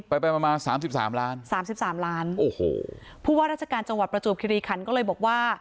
แปลมา๓๓ล้าน๓๓ล้านโอโหผู้ว่าราชการจังหวัดประจูปคิริขันก็เลยบอกว่า